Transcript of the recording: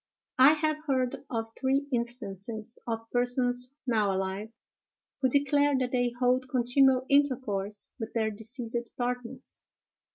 I have heard of three instances of persons now alive, who declare that they hold continual intercourse with their deceased partners.